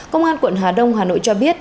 công an quận hà đông hà nội cho biết